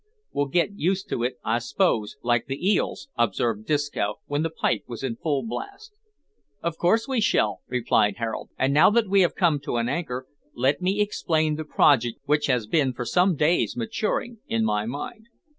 "We'll get used to it I s'pose, like the eels," observed Disco, when the pipe was in full blast. "Of course we shall," replied Harold; "and now that we have come to an anchor, let me explain the project which has been for some days maturing in my mind."